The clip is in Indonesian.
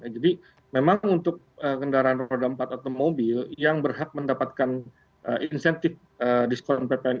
jadi memang untuk kendaraan roda empat atau mobil yang berhak mendapatkan insentif diskon ppn